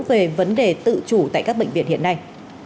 về vấn đề tự chủ tại các bệnh viện hiện nay